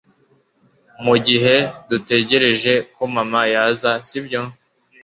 mu gihe dutegereje ko mama yaza Sibyo